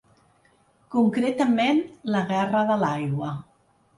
Concretament, la guerra de l’aigua.